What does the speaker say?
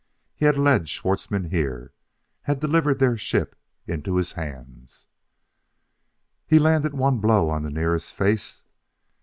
He had led Schwartzmann here; had delivered their ship into his hands [Illustration: _He landed one blow on the nearest face.